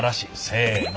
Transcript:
せの。